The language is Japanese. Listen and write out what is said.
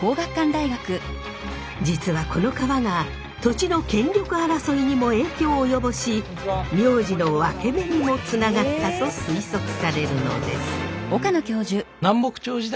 実はこの川が土地の権力争いにも影響を及ぼし名字のワケメにもつながったと推測されるのです。